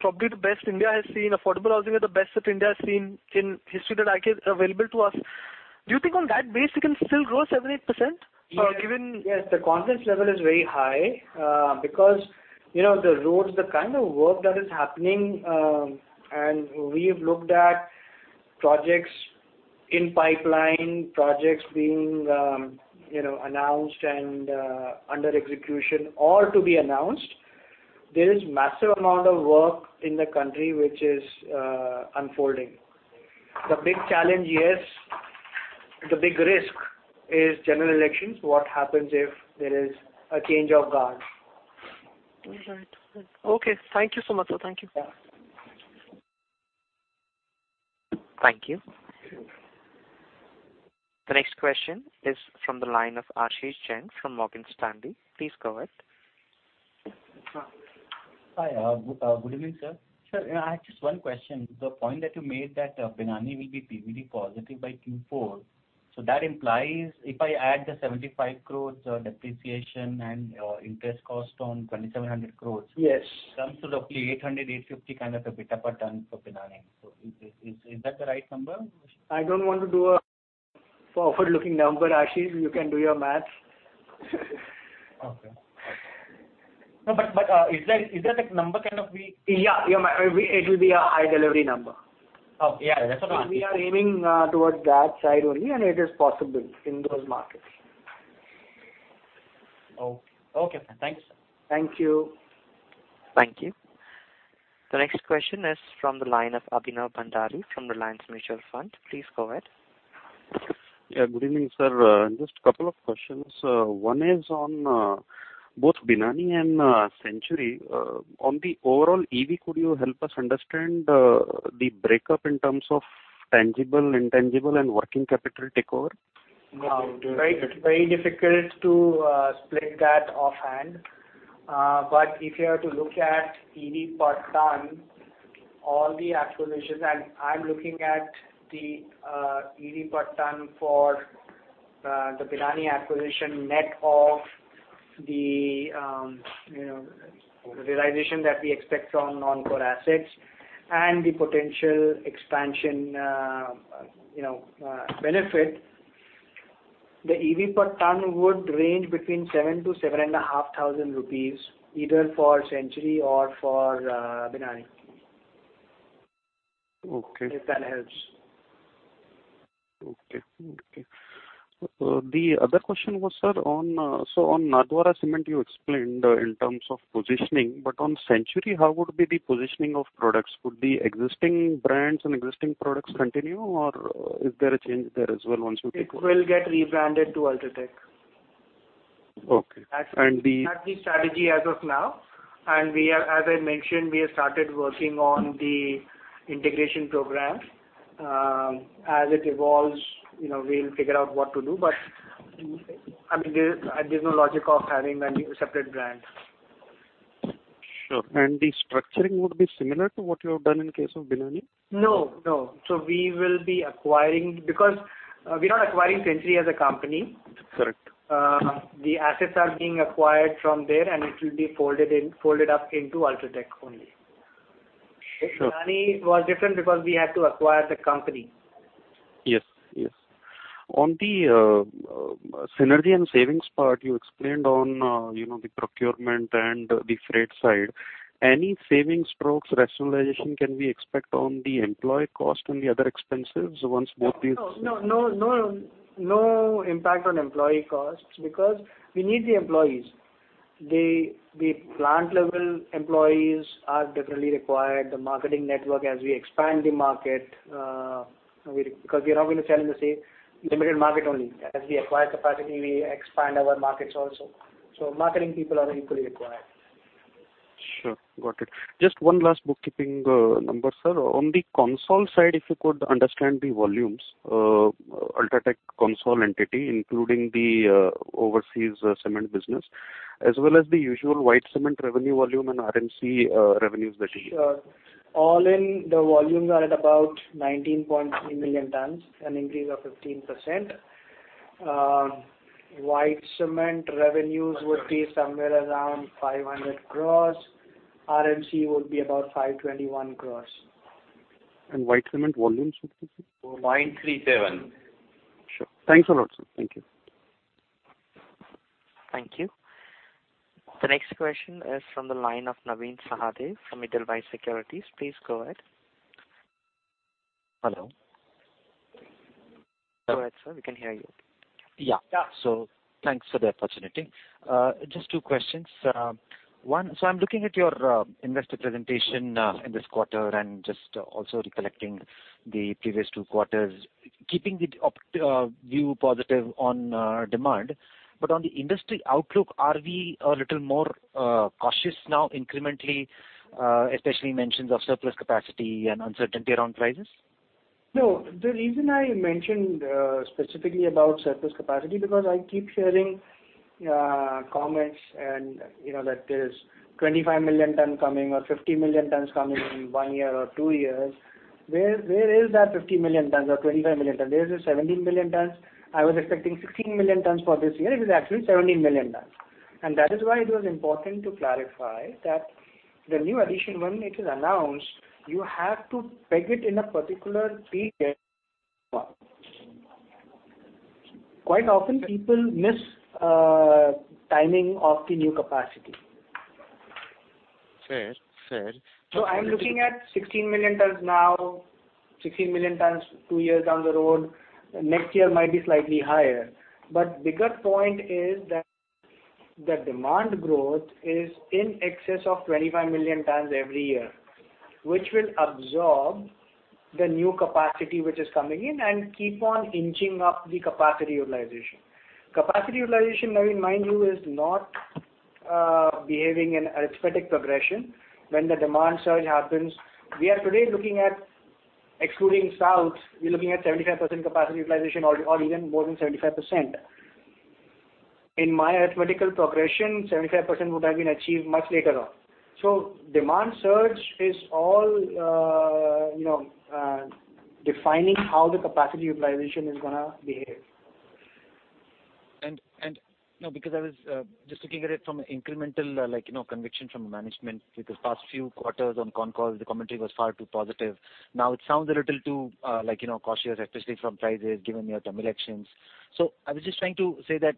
probably the best India has seen, affordable housing at the best that India has seen in history that available to us. Do you think on that base you can still grow 7%-8%? Given- Yes, the confidence level is very high, because the roads, the kind of work that is happening, and we've looked at projects in pipeline, projects being announced and under execution or to be announced. There is massive amount of work in the country which is unfolding. The big challenge is, the big risk is general elections. What happens if there is a change of guard? Right. Okay. Thank you so much, sir. Thank you. Yeah. Thank you. The next question is from the line of Ashish Jain from Morgan Stanley. Please go ahead. Hi. Good evening, sir. Sir, I have just one question. The point that you made that Binani will be PBT positive by Q4, that implies if I add the 75 crores depreciation and interest cost on 2,700 crores- Yes comes to roughly 800, 850 kind of EBITDA per ton for Binani. Is that the right number? I don't want to do a forward-looking number, Ashish. You can do your maths. Okay. No, but is that a number kind of. Yeah. It will be a high delivery number. Oh, yeah. That's what I wanted. We are aiming towards that side only, and it is possible in those markets. Okay, fine. Thanks. Thank you. Thank you. The next question is from the line of Abhinav Bhandari from Reliance Mutual Fund. Please go ahead. Yeah, good evening, sir. Just a couple of questions. One is on both Binani and Century. On the overall EV, could you help us understand the breakup in terms of tangible, intangible, and working capital takeover? It's very difficult to split that offhand. If you are to look at EV per ton, all the acquisitions, and I'm looking at the EV per ton for the Binani acquisition net of the realization that we expect from non-core assets and the potential expansion benefit. The EBITDA per tonne would range between 7,000-7,500 rupees, either for Century or for Binani. Okay. If that helps. Okay. The other question was, sir, on Nathdwara Cement, you explained in terms of positioning, but on Century, how would be the positioning of products? Would the existing brands and existing products continue, or is there a change there as well once you take over? It will get rebranded to UltraTech. Okay. That's the strategy as of now, and as I mentioned, we have started working on the integration program. As it evolves, we'll figure out what to do, but there's no logic of having a separate brand. Sure. The structuring would be similar to what you have done in case of Binani? No. Because we're not acquiring Century as a company. Correct. The assets are being acquired from there. It will be folded up into UltraTech only. Sure. Binani was different because we had to acquire the company. Yes. On the synergy and savings part, you explained on the procurement and the freight side. Any savings or rationalization can we expect on the employee cost and the other expenses once both these- No, no impact on employee costs because we need the employees. The plant-level employees are definitely required. The marketing network, as we expand the market, because we're now going to sell in the same limited market only. As we acquire capacity, we expand our markets also. Marketing people are equally required. Sure. Got it. Just one last bookkeeping number, sir. On the consolidated side, if you could understand the volumes, UltraTech consolidated entity, including the overseas cement business, as well as the usual white cement revenue volume and RMC revenues that you have. Sure. All in, the volumes are at about 19.3 million tonnes, an increase of 15%. White cement revenues would be somewhere around 500 crores. RMC would be about 521 crores. White cement volumes? 937. Sure. Thanks a lot, sir. Thank you. Thank you. The next question is from the line of Navin Sahadeo from Edelweiss Securities. Please go ahead. Hello. Go ahead, sir. We can hear you. Yeah. Yeah. Thanks for the opportunity. Just two questions. One, I'm looking at your investor presentation, in this quarter and just also recollecting the previous two quarters, keeping the view positive on demand. On the industry outlook, are we a little more cautious now incrementally, especially mentions of surplus capacity and uncertainty around prices? No. The reason I mentioned specifically about surplus capacity, because I keep hearing comments, that there's 25 million tons coming or 50 million tons coming in one year or two years. Where is that 50 million tons or 25 million tonns? Where is the 17 million tons? I was expecting 16 million tons for this year. It is actually 17 million tons. That is why it was important to clarify that the new addition, when it is announced, you have to peg it in a particular period. Quite often, people miss timing of the new capacity. Fair. I'm looking at 16 million tons now, 16 million tons two years down the road. Next year might be slightly higher. Bigger point is that the demand growth is in excess of 25 million tons every year, which will absorb the new capacity which is coming in and keep on inching up the capacity utilization. Capacity utilization, Navin, mind you, is not behaving in arithmetic progression. When the demand surge happens, we are today looking at, excluding South, we're looking at 75% capacity utilization or even more than 75%. In my arithmetical progression, 75% would have been achieved much later on. Demand surge is all defining how the capacity utilization is going to behave. Because I was just looking at it from an incremental conviction from management, because past few quarters on consol, the commentary was far too positive. Now it sounds a little too cautious, especially from prices, given your Tamil Nadu actions. I was just trying to say that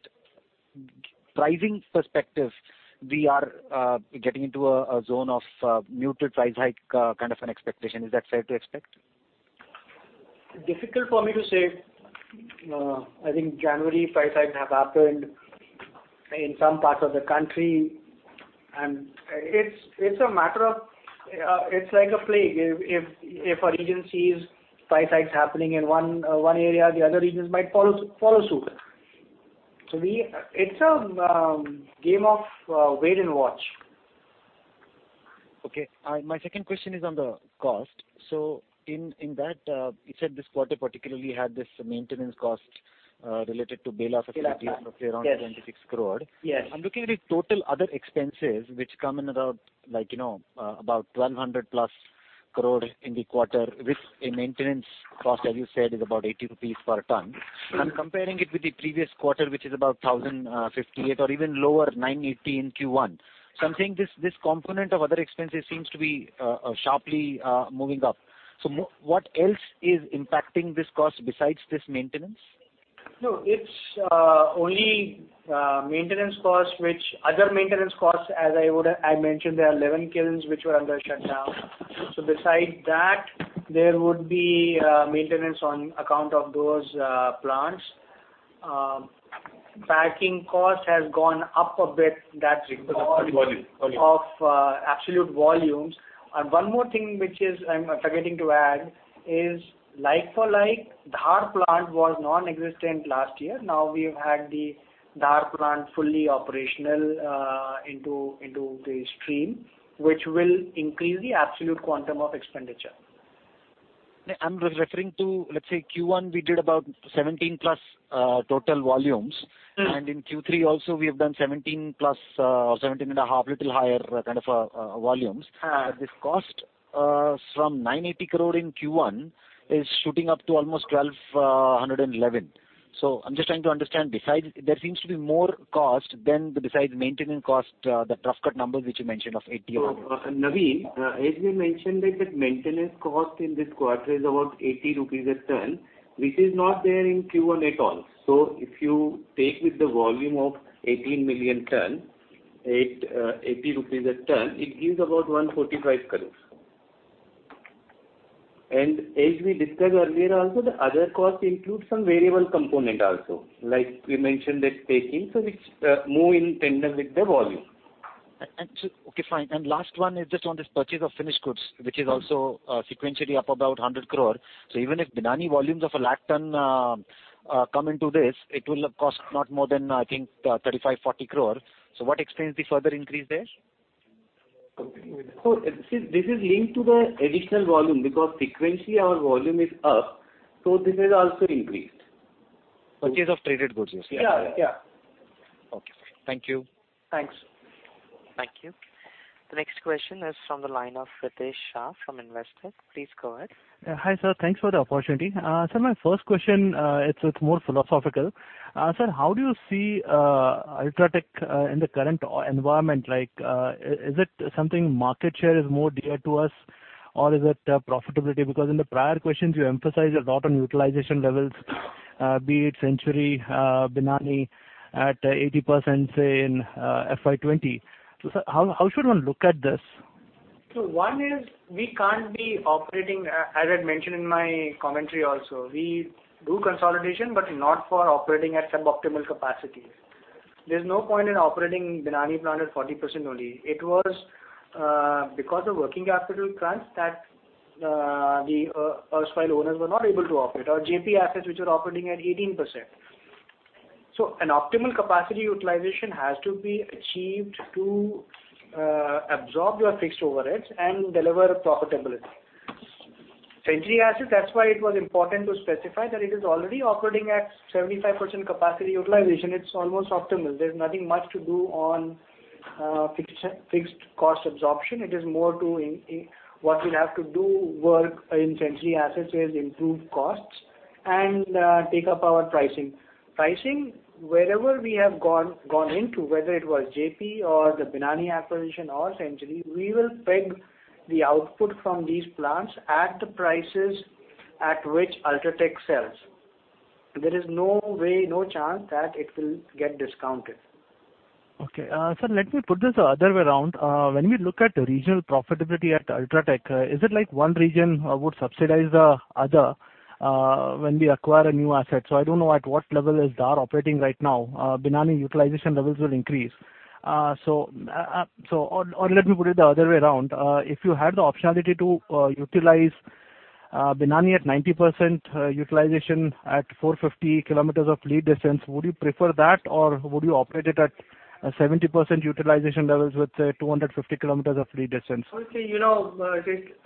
pricing perspective, we are getting into a zone of muted price hike, kind of an expectation. Is that fair to expect? Difficult for me to say. I think January price hike have happened in some parts of the country, and it's like a plague. If a region sees price hikes happening in one area, the other regions might follow suit. It's a game of wait and watch. Okay. My second question is on the cost. In that, you said this quarter particularly had this maintenance cost, related to Bara facility- Bara plant. Yes. of around 26 crore. Yes. I'm looking at the total other expenses, which come in about 1,200 plus crore in the quarter, with a maintenance cost, as you said, is about 80 rupees per tons. I'm comparing it with the previous quarter, which is about 1,058 or even lower, 980 in Q1. I'm saying this component of other expenses seems to be sharply moving up. What else is impacting this cost besides this maintenance? No, it's only other maintenance costs, as I mentioned, there are 11 kilns which were under shutdown. Beside that, there would be maintenance on account of those plants. Packing cost has gone up a bit. That's because of. Volume Absolute volumes. One more thing which I'm forgetting to add is like for like, Dhar plant was non-existent last year. Now we've had the Dhar plant fully operational into the stream, which will increase the absolute quantum of expenditure. I'm just referring to, let's say Q1, we did about 17-plus total volumes. In Q3 also, we have done 17-plus, or 17 and a half, little higher kind of volumes. This cost from 980 crore in Q1 is shooting up to almost 1,211. I'm just trying to understand. There seems to be more cost than besides maintenance cost, the tough cut numbers which you mentioned of 80. Navin, as we mentioned, the maintenance cost in this quarter is about 80 rupees a ton, which is not there in Q1 at all. If you take with the volume of 18 million tons, at 80 rupees a ton, it gives about 145 crore. As we discussed earlier also, the other cost includes some variable component also. Like we mentioned that packing, it's more in tandem with the volume. Okay, fine. Last one is just on this purchase of finished goods, which is also sequentially up about 100 crore. Even if Binani volumes of 1 lakh ton come into this, it will cost not more than, I think, 35 crore-40 crore. What explains the further increase there? See, this is linked to the additional volume because sequentially our volume is up, so this has also increased. Purchase of traded goods, you're saying? Yeah. Okay. Thank you. Thanks. Thank you. The next question is from the line of Ritesh Shah from Investec. Please go ahead. Hi, sir. Thanks for the opportunity. Sir, my first question, it's more philosophical. Sir, how do you see UltraTech in the current environment? Is it something market share is more dear to us or is it profitability? Because in the prior questions, you emphasized a lot on utilization levels, be it Century, Binani, at 80%, say in FY 2020. Sir, how should one look at this? One is we can't be operating, as I mentioned in my commentary also. We do consolidation, but not for operating at suboptimal capacity. There's no point in operating Binani plant at 40% only. It was because of working capital crunch that the erstwhile owners were not able to operate or JP assets which were operating at 18%. An optimal capacity utilization has to be achieved to absorb your fixed overheads and deliver profitability. Century assets, that's why it was important to specify that it is already operating at 75% capacity utilization. It's almost optimal. There's nothing much to do on fixed cost absorption. It is more to what we'll have to do work in Century assets is improve costs and take up our pricing. Pricing, wherever we have gone into, whether it was JP or the Binani acquisition or Century, we will peg the output from these plants at the prices at which UltraTech sells. There is no way, no chance that it will get discounted. Sir, let me put this the other way around. When we look at regional profitability at UltraTech, is it like one region would subsidize the other when we acquire a new asset? I don't know at what level is Dhar operating right now. Binani utilization levels will increase. Let me put it the other way around. If you had the optionality to utilize Binani at 90% utilization at 450 kilometers of lead distance, would you prefer that or would you operate it at 70% utilization levels with 250 kilometers of lead distance? See, logistics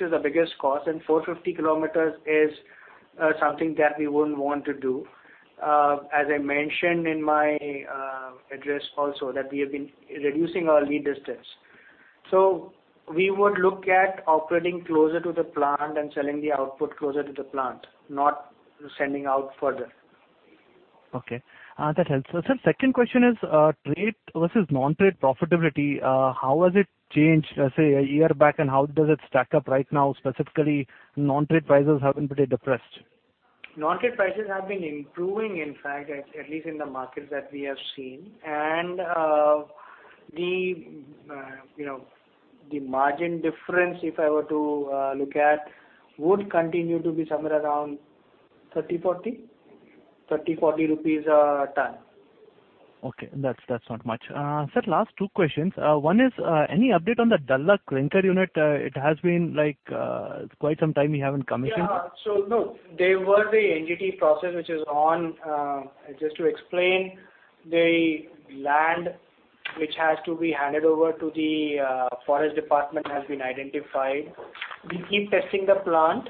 is the biggest cost, 450 kilometers is something that we wouldn't want to do. As I mentioned in my address also that we have been reducing our lead distance. We would look at operating closer to the plant and selling the output closer to the plant, not sending out further. Okay. That helps. Sir, second question is, trade versus non-trade profitability, how has it changed, say, a year back, how does it stack up right now, specifically non-trade prices have been pretty depressed. Non-trade prices have been improving, in fact, at least in the markets that we have seen. The margin difference, if I were to look at, would continue to be somewhere around 30 rupees, 40 rupees a ton. Okay. That's not much. Sir, last two questions. One is, any update on the Dalla clinker unit? It has been quite some time we haven't commissioned. No, there was an NGT process which is on. Just to explain, the land which has to be handed over to the forest department has been identified. We keep testing the plant,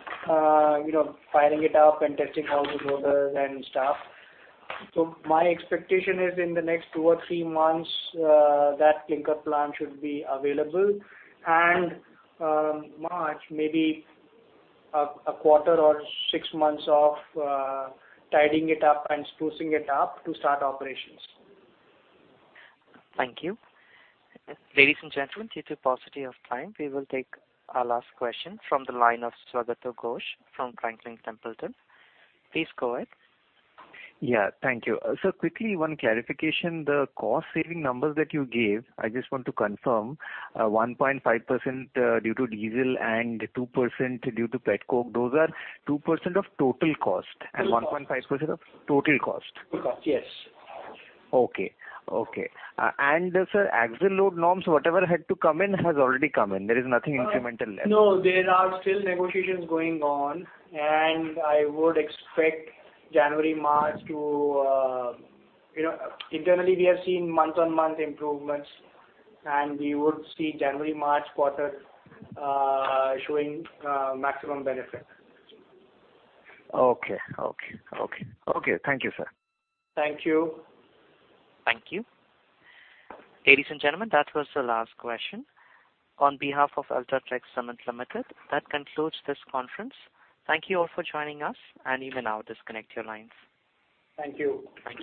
firing it up and testing how it goes and stuff. My expectation is in the next two or three months, that clinker plant should be available. March, maybe a quarter or six months of tidying it up and sprucing it up to start operations. Thank you. Ladies and gentlemen, due to paucity of time, we will take our last question from the line of Swagato Ghosh from Franklin Templeton. Please go ahead. Yeah, thank you. Sir, quickly, one clarification. The cost-saving numbers that you gave, I just want to confirm 1.5% due to diesel and 2% due to pet coke. Those are 2% of total cost and 1.5% of total cost. Total cost, yes. Okay. Sir, axle load norms, whatever had to come in has already come in. There is nothing incremental left. No, there are still negotiations going on. I would expect January, March to Internally, we have seen month-on-month improvements. We would see January-March quarter showing maximum benefit. Okay. Thank you, sir. Thank you. Thank you. Ladies and gentlemen, that was the last question. On behalf of UltraTech Cement Limited, that concludes this conference. Thank you all for joining us, and you may now disconnect your lines. Thank you.